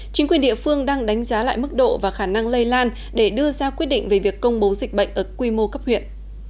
chính quyền địa phương đang đánh giá lại mức độ và khả năng lây lan để đưa ra quyết định về việc công bố dịch bệnh ở quy mô cấp huyện